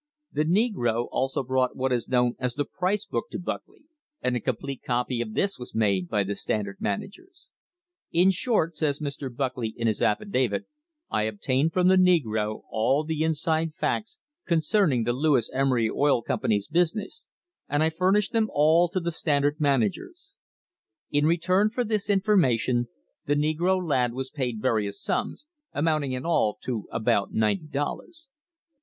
The negro .also brought what is known as the price book to Buckley, and a complete copy of this was made by the Standard managers. "In short," says Mr. Buckley in his affidavit, "I obtained from the negro all the inside facts concerning the Lewis Emery Oil Com pany's business, and I furnished them all to the Standard managers." In return for this information the negro lad was paid various sums, amounting in all to about ninety dollars.